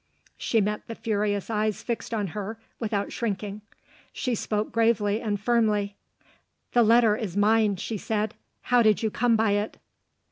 She met the furious eyes fixed on her, without shrinking; she spoke gravely and firmly. "The letter is mine," she said. "How did you come by it?"